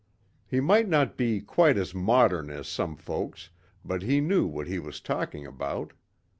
He might not be quite as modern as some folks but he knew what he was talking about.